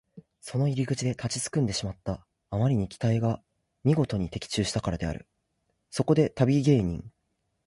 その入り口で立ちすくんでしまった。あまりに期待がみごとに的中したからである。そこで旅芸人